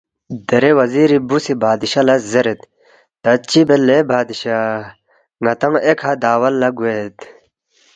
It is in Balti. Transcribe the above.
دیرے وزیری بُو سی بادشاہ لہ زیرید ”تا چِہ بید لے بادشاہ؟ ن٘دانگ ایکھہ دعوت لہ گوید